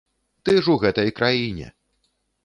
Ты ж у гэтай краіне.